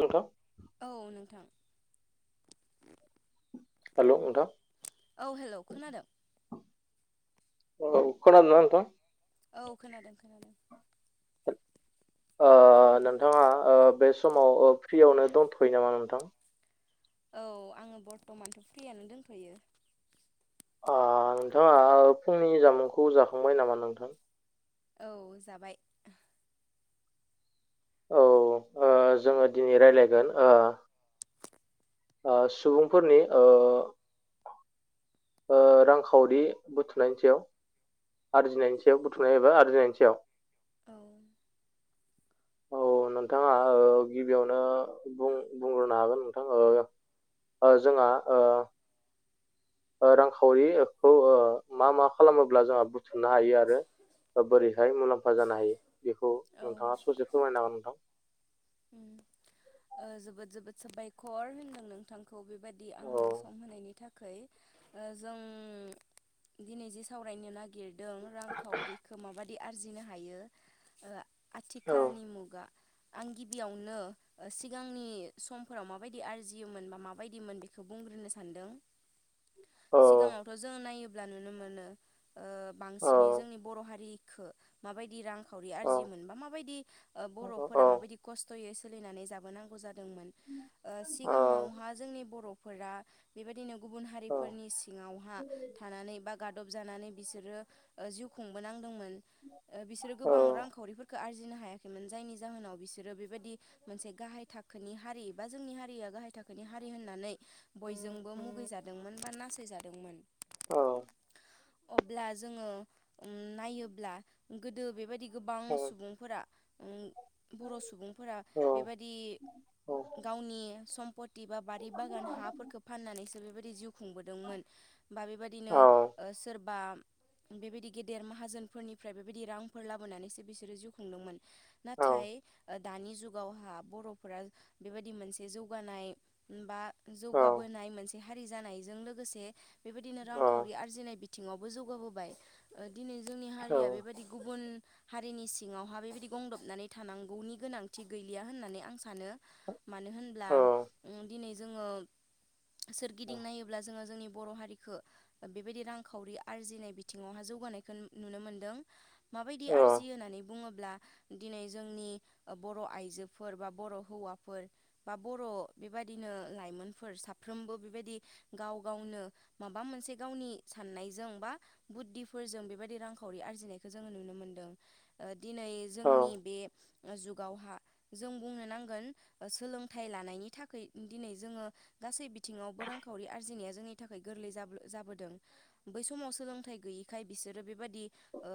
नोंथां औ नोंथां हेल' नोंथां औ हेलौ खोनादों ओ खोनादों ना नोंथां औ खोनादों खोनादों ओ नोंथाङा ओ बे समाव औ फ्रियावनो दंथ'यो नामा नोंथां औ आङो बर्थ'मानथ' फ्रियानो दोनथ'यो ओ नोंथाङा फुंनि जामुंखौ जाखांबाय नामा नोंथां औ जाबाय औ ओ जोङो दिनै रायलायगोन ओ ओ सुबुंफोरनि ओ ओ रांखावरि बुथुमनायनि सायाव आरजिनायनि सायाव बुथुमनाय एबा आरजिनायनि सायाव औ औ नोंथाङा ओ गिबियावनो बुं बुंग्रोनो हागोन नोंथां ओ ओ जोंहा ओ ओ रांखावरिखौ ओ मा मा खालामोब्ला जोंहा बुथुमनो हायो आरो ओ बोरैहाय मुलाम्फा जानो हायो बेखौ औ नोंथाङा ससे फोरमायनो हागोन नोंथां जोबोद जोबोद साबायखर होनदों नोंथां खौ बेबादि औ आंनो सम होनायनि थाखाय। जों दिनै जों सावरायनो नागिर दों रांखावरिखौ माबायदि आरजिनो हायो। औ आथिखालनि मुगा आंगि बेयावनो सिगांनि समफोराव माबायदि आरजियोमोन बा माबायदिमोन बेखौ बुंग्रोनो सानो औ सिगाङावथ' जों नायोब्ला नुनो मोनो ओ [unintelligible] बांसिनै जोंनि बर' हारिखौ माबायदि रांखावरि औ आरजि मोन बा माबायदि औ औ बर'फोरा माबायदि खस्थ'यै सोलिनानै जाबोनांगौ जादोंमोन ओ औ सिगाङावहा जोंनि बर' फोरा बेबायदिनो गुबुन औ हारिफोरनि सि सिङावहा थानानै बा गादब जानानै बिसोरो ओ जिउ खुंबोनांदोंमोन ओ बिसोरो गोबां रांखावरिफोरखौ आरजिनो हायाखैमोन जायनि जाहोनाव बिस सोरो बेबायदि मोनसे गाहाय थाखोनि हारि बा जोंनि हारिया गाहाय थाखोनि हारि होननानै बय जोंबो मुगैजादोंमोन बा नासय जादोंमोन औ अब्ला जोङो ओम नायोब्ला गोदो बेबायदि गोबां सुबुंफोरा ओम बर' सुब बुंफोरा बेबायदि गावनि सम्पति बा बारि बागान हाफोरखौ फाननानैसो बेबायदि जिउ खुंबोदोंमोन बा बेबायदिनो ओ सोरबा बेबायदि गेदेर माहाजोनफोरनिफ्राय बेबायदि रांफोर लाबोनानैसो बिसोरो जिउ खुंदोंमोन औ नाथाय ओ दानि जुगावहा बर'फोरा बेबायदि मोनसे जौगानाय बा औ उम, जौगाबोनाय मोनसे हारि जानायजों लोगोसे बेबायदिनो रांखावरि आरजिनाय बिथ थिङावबो जौगाबोबाय ओ दिनै जोंनि हारिया बेबायदि गुबुन हारिनि सिङावहा बेबायदि गंदबनानै थानांगौनि गोनांथि गैलिया होननानै आं सानो मानो होनब्ला ओम दिनै जोङो सोरगिदिं नायोब्ला जोङो जोंनि बर' हारिखो बेबायदि रांखावरि आरजिनाय बिथिङावहा जौगानायखौ नु-नुनो मोनदों माबायदि आरजियो होननानै बुङोब्ला दिनै जोंनि बर' आइजोफोर बा बर' हौवाफोर बा बर' बेबायदिनो लाइमोनफोर साब फ्रोमबो बेबायदि गाव गावनो माबा मोनसे गावनि साननायजों बा बुद्धिफोर जों बेबायदि रांखावरि आरजिनायखौ जोङो नुनो मोनदों ओ दिनै जोंनि बे जुगावहा जों बुंनो नांगोन ओ सोलोंथाइ लानायनि थाखाय दिनै जोङो गासै बिथ थिङावबो रांखावरि आरजिनाया जोंनि थाखाय गोरलै जाबो जाबोदों बै समाव सोलोंथाइ गैयैखाय बिसोरो बेबादि ओ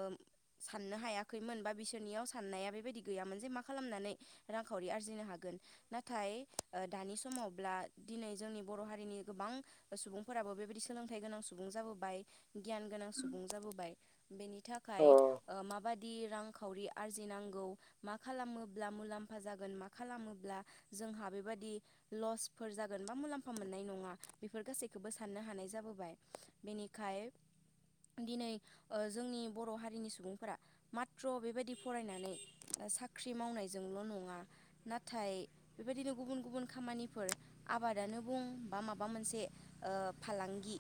साननो हायाखैमोन बा बिसोरनियाव साननाया बेबायदि गैयामोन जे मा खालामनानै रांखावरि आरजिनो हागोन नाथाय ओ दानि समावब्ला दिनै जोंनि बर' हारिनि गोबां सुबुंफोराबो बेबायदि सोलोंथाइ गोनां सुबुं जाबोबाय गियान गोनां सुबुं जाबोबाय बेनि थाखाय ओ माबाद दि रांखावरि आरजिनांगौ मा खालामोब्ला मुलाम्फा जागोन मा खालामोब्ला जोंहा बेबायादि लसफोर जागोन मोनबा मुलाम्फा मोननाय नङा बेफोर गासैखौबो साननो हानाय जाबोबाय बेनिखाय दिनै ओ जोंनि बर' हारिनि सुबुंफोरा माथ्र बेबायदि फरायनानै साख्रि मावनायजोंल' नङा नाथाय बेबायदिनो गुबुन गुबुन खामानिफोर आबादानो बुं बा माबा मोनसे ओ फालांगि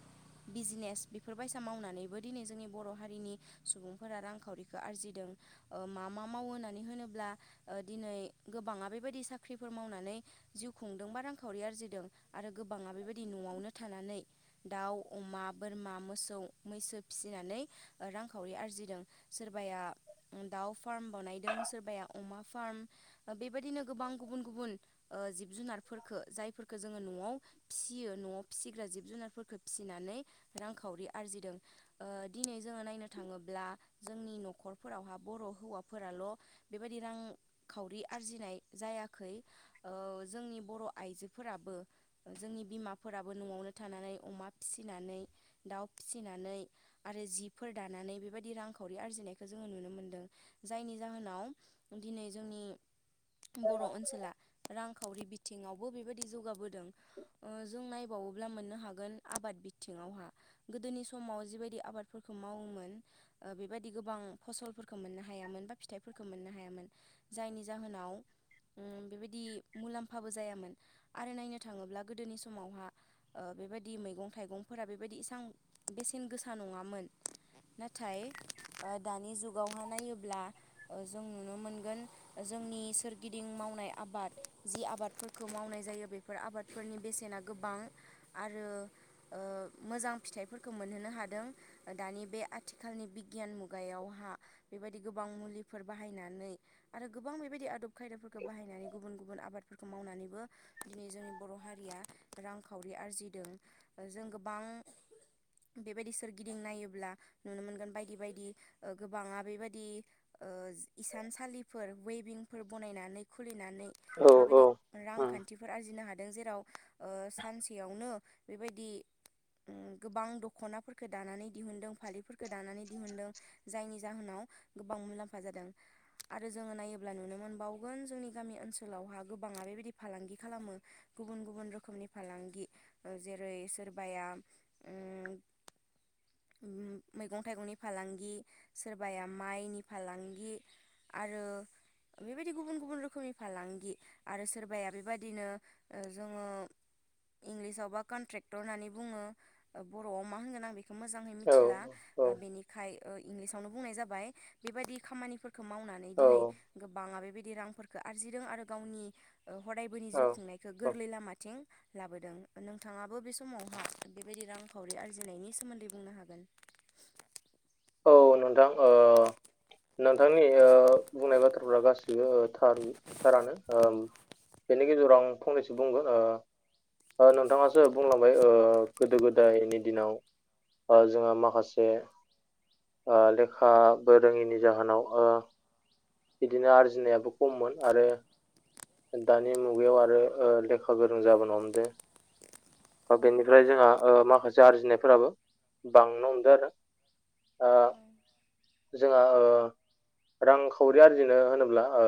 बिजनेस बेफोरबायसा मावनानैबो दिनै जोंनि बर' हारिनि सुबुंफोरा रांखावरिखौ आरजिदों ओ मा मा मावो‌ होननानै होनोब्ला ओ दिनै गोबाङा बेबायदि साख्रिफोर मावनानै जिउ खुंदोंबा रांखावरि आरो आर जिदों आरो गोबाङा बेबायदि न'आवनो थानानै दाउ अमा बोरमा मोसौ मैसो फिसिनानै रांखावरि आरजिदों सोरबाया दाउ फार्म बनायदों सोरबाया अमा फार्म ओ बेब बायदिनो गोबां गुबुन गुबुन ओ जिब जुनारफोरखौ जायफोरखो जोङो न'आव फिसियो न'आव फिसिग्रा जिब जुनारफोर खो फिसिनानै रांखावरि आरजिदों ओ दिनै जोङो नायनो थाङोब्ला जोंनि न' न'खरफोरावहा बर' हौवाफोराल' बेबायदि रांखावरि आरजिनाय जायाखै ओ जोंनि बर' आइजो फोराबो जोंनि बिमाफोराबो न'आवनो थानानै अमा फिसिनानै दाउ फिसिना नै आरो जिफोर दानानै बेबायदि रांखावरि आरजिनायखौ जोङो नुनो मोनदों जायनि जाहोनाव दिनै जोंनि बर' ओनसोला रांखावरि बिथिङावबो बेबायदि जौगाबोदों ओ जों नायबावो मब्ला मोननो हागोन आबाद बिथिङावहा गोदोनि समाव जिबायदि आबादफोरखौ मावोमोन ओ बेबायदि गोबां फसलफोरखौ मोननो हायामोन बा फिथाइफोरखौ मोननो हायामोन जायनि जाहोनाव बेबायदि मुलाम्फाबो जायामोन आरो नायनो थाङोब्ला गोदोनि समावहा ओ बेबायदि मैगं थाइगंफोरा बेबायदि इसां बेसेन गोसा नङामोन नाथाय ओ दानि जुगावहा नायोब्ला जों नुनो मोनगोन जोंनि सोरगिदिं मावनाय आबाद जि आबादफोरखौ मावनाय जायो बे आबादफोरनि बेसेना गोबां आरो ओ मोजां फिथाइ खौ मोनहोनो हादों दानि बे आथिखालनि बि गियान मुगायावहा बेबायदि गोबां मुलि फोर बाहायनानै आरो गोबां बेबायदि आदब खायदाफोरखौ बाहायनानै गुबुन गुबुन आबादफोरखौ मावनानैबो दिनै जोंनि बर' हारिया रांखावरि आरजिदों जों गोबां [unintelligible] बेबायदि सोरगिदिं नायोब्ला नुनो मोनगोन बायदि बायदि ओ गोबाङा बेबायदि ओ इसानसालिफोर वेबिंफोर बनायनानै खुलिनानै बेबायदि औ रांखान्थिफोर आरजिनो हादों जेराव ओ सानसेयावनो बेबायदि गोबां दख'नाफोरखौ दानानै दिहुनदों फालिफोरफोरखौ दानानै दिहुनदों जायनि जाहोनाव गोबां मुलाम्फा जादों आरो जोङो नायोब्ला नुनो मोनबावगोन जोंनि गामि ओनसोलावहा गोबाङा बेबायदि फालांगि खालामो गुबुन गुबुन रोखोमनि फालांगि जेरै सोरबाया उम [unintelligible] उम मैगं थाइगंनि फालांगि सोरबाया माइनि फालांगि आरो बेबायदि गुबुन गुबुन रोखोमनि फालांगि आरो सोरबाया बेबायदिनो ओ जोङो इंलिसावबा कन्ट्रेक्टर होननानै बुङो बर'आव मा होनगोन आं बेखौ मोजाङै औ मिथिला बेनिखाय इंलिसावनो बुंनाय जाबाय बेबायदि खामानि मावनानै औ दिनै गोबाङा बेबायदि रांफोरखौ आरजिदों आरो गावनि हदायबोनि जिउ खुंनायखौ गोरलै लामाथिं लाबोदों नोंथाङाबो बे समावहा बेबायदि रांखावरि आरजिनायनि सोमोन्दै बुंनो हागोन [unintelligible] औ नोंथां ओ नोंथांनि ओ बुंनाय बाथ्राफ्रा गासैबो बो थार थारानो औ बेनि गेजेराव आं फंनैसो बुंगोन ओ नोंथाङासो बुंलांबाय ओ गोदो गोदायनि दिनाव ओ जोंहा माखासे ओ लेखाबो रोङिनि जाहोनाव ओ बिदिनो आर्जिनायाबो खममोन आरो दानि मुगायाव आरो ओ लेखा गोरों जाबोनो हमदों अ बेनिफ्राय जोंहा ओ माखासे आरजिनायफोराबो बांनो हमदों आरो ओ जोंहा ओ रांखावरि आरजिनो होनोब्ला ओ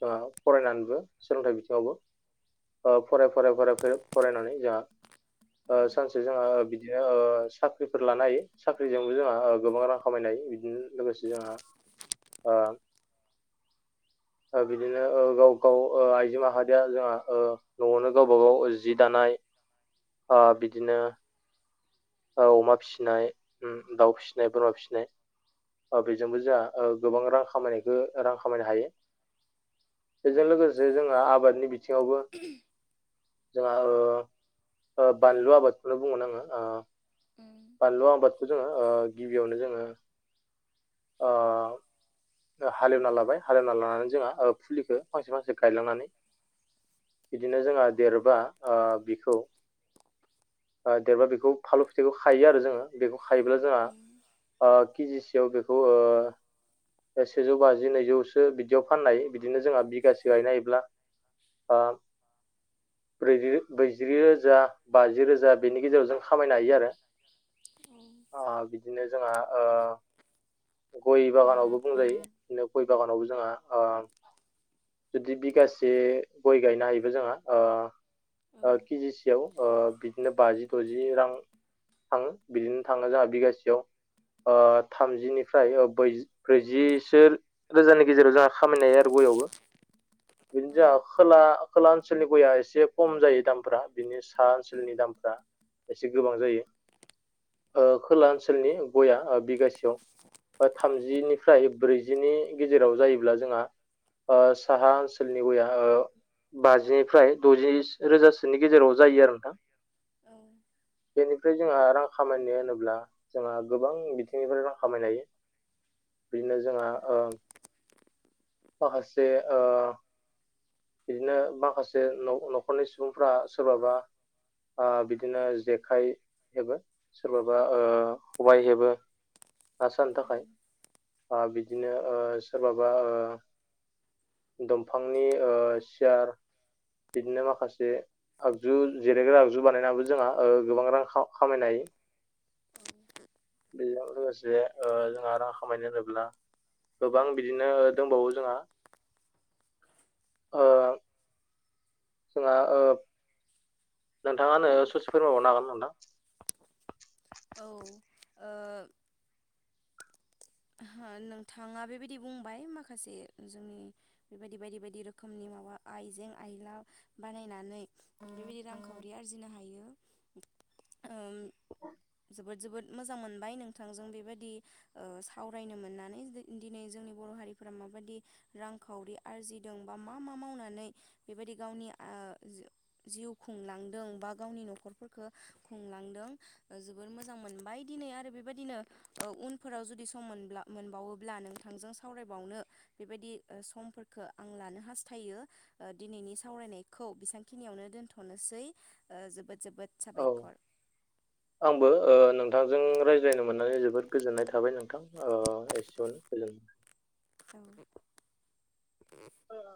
जोंहा फरायनानैबो सोलोंथाइ बिथिङावबो ओ फराय फराय फराय फरायनानै जोंहा ओ सानसे जोंहा बिदिनो ओ साख्रिफोर लानो हायो साख्रिजोंबो जोंहा ओ गोबां रां खामायनाय बिदिनो लोगोसे जोंहा आ आ बिदिनो ओ गाव गाव आइजो माहारिया ओ जोंहा न'आवनो गावबा गाव जि दानाय आ बिदिनो औ अमा फिसिनाय दाउ फिसिनाय बोरमा फिसिनाय अ बेजोंबो जोंहा ओ गोबां रां खामायनायखौ रां खामायनो हायो बेजों लोगोसे जोंहा आबादनि बिथिङावबो जोंहा ओ बानलु आबादखौनो बुंगोन आङो आ बानलु आबादखौ जोङो ओ गिबियावनो जोङो आ हालेवना लाबाय हालेवना लानानै जोंहा फुलिखौ फांसे फांसे गायलांनानै। बिदिनो जोंहा देरबा ओ बिखौ देरबा बेखौ फालु फिथाइखौ खायो आरो जोङो बेखौ खायोब्ला जोंहा ओ केजिसेयाव बेखौ सेजौ बाजि नैजौसो बिदियाव फाननाय बिदिनो जोंहा बिगासो गायनो हायोब्ला। ओ ब्रैजि ब्रैजि रोजा बाजि रोजा बेनि गेजेराव जों खामायनो हायो आरो ओ बिदिनो जोंहा ओ गय बागानावबो बुंजायो बिदिनो गय बागानावबो जोंहा ओ जुदि बिगासे गय गायनो हायोब्ला जोंहा ओ ओ केजि सेयाव बिदिनो बाजि द'जि रां थाङो बिदिनो थाङो जोंहा बिगासेयाव ओ थामजिनिफ्राय ब्रैजिसो रोजानि गेजेराव जोंहा खामायनाय आरो ग [unintelligible] बिनि जोंहा खोला खोला ओनसोलनि गया एसे खम जायो दामफ बिनि सा ओनसोलनि दामफ्रा एसे गोबां जायो खोला ओनसोलनि गया बिगासेयाव थामजिनिफ्राय ब्रैजिनि गेजेराव जायोब्ला जोंहा ओ साहा ओनसोलनि गया ओ बाजिनिफ्राय द'जि रोजासोनि गेजेराव जायो आरो बेनिफ्राय जोंहा खामायनाय होनोब्ला जोंहा गोबां बिथिंनिफ्राय रां खामायनो हायो बिदिनो जोंहा ओ माखासे ओ बिदिनो माखासे न' न'खरनि सुबुंफ्रा सोरबाबा ओ बिदिनो जेखाइ हेबो सोरबाबा ओ खबाय हेबो ना सारानो थाखाय ओ बि बिदिनो ओ सोरबाबा ओ दंफांनि ओ सियार बिदिनो माखासे आगजु जिरायग्रा आगजु बानायनाबो जोंहा गोबां रां खामायनो हायो बेजों लोगोसे ओ जोंहा रां खामायनो होनोब्ला गोबां बिदिनो दंबावो जोंहा जोंहा ओ नोंथाङानो ससे फोरमायहरनो हागोन नोंथां औ ओ ह नोंथाङा बेबायदि बुंबाय माखासे जोंनि बेबायदि बायदि बायदि रोखोमनि न आव आइजें आइला बानायनानै बेबायदि रांखावरि आरजिनो हायो ओ जोबोद जोबोद मोजां मोनबाय नोंथांजों बेबायदि ओ सावरायनो मोननानै दिनै जोंनि बर' हारिफोरा माबाददि रांखावरि आरजिदों बा मा मा मावनानै बेबायदि गावनि जिउ खुंलांदों बा गावनि न'खरफोरखौ खुंलांदों जोबोर मोजां मोनबाय दिनै आरो बेबायदिनो उनफोराव जुदि सम मोनब्ला मोनबावोब्ला नोंथांजों सावरायबावनो बेबायदि समफोरखौ आं लनो हास थायो दिनैनि सावरायनायखौ बेसेबांखिनियावनो दोनथ'नोसै जोबोद जोबोद औ साबायखर आंबो ओ नों नोंथांजों रायज्लायनो मोननानै जोबोद गोजोननाय थाबाय नोंथां ओ एसेयावनो गोजोन ज [inaudible] औ अ